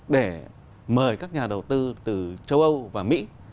để mời các nhà đầu tư từ châu âu và mỹ